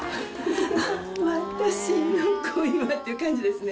あー、私の恋はっていう感じですね。